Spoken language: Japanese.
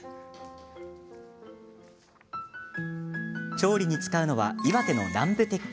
調理に使うのは岩手の南部鉄器。